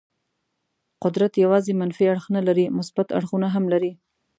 قدرت یوازې منفي اړخ نه لري، مثبت اړخونه هم لري.